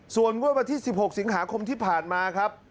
ส่วนงวดวันที่๑๖สิงหาคมที่ผ่านมาครับ